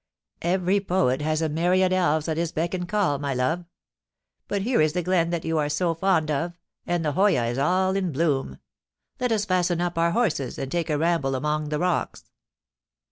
Every poet has a myriad elves at his beck and call, my love. But here is the glen that you are so fond of, and the hoya is all in bloom. Let us fasten up our horses, and take a ramble among the rocks.